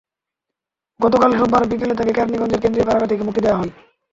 গতকাল রোববার বিকেলে তাঁকে কেরানীগঞ্জের কেন্দ্রীয় কারাগার থেকে মুক্তি দেওয়া হয়।